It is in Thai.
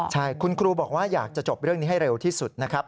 ใช่คุณครูบอกว่าอยากจะจบเรื่องนี้ให้เร็วที่สุดนะครับ